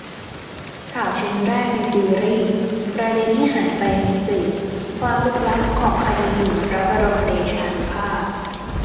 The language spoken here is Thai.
ข่าวชิ้นแรกในซีรีส์ "ประเด็นที่หายไปในสื่อ" : ความลึกลับของคดีหมิ่นพระบรมเดชานุภาพ